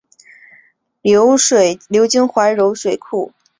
流经怀柔水库后在梭草村南汇入潮白河。